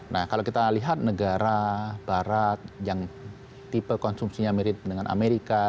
nah kalau kita lihat negara barat yang tipe konsumsinya mirip dengan amerika